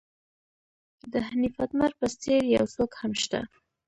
د حنیف اتمر په څېر یو څوک هم شته.